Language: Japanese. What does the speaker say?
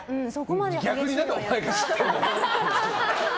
逆に、何でお前が知ってんだよ。